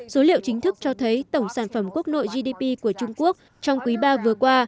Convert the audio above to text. số liệu chính thức cho thấy tổng sản phẩm quốc nội gdp của trung quốc trong quý ba vừa qua